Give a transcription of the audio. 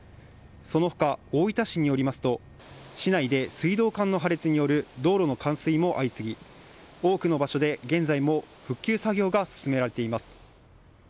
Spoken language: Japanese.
その他、大分市によりますと市内で水道管の破裂による道路の冠水も相次ぎ多くの場所で現在も復旧作業が進められています。